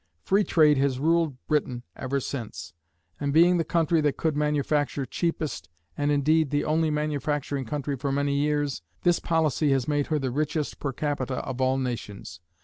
Free trade has ruled Britain ever since, and, being the country that could manufacture cheapest, and indeed, the only manufacturing country for many years, this policy has made her the richest, per capita, of all nations.